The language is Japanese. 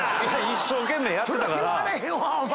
一生懸命やってたから。